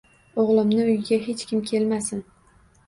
O`g`limni uyiga hech kim kelmasin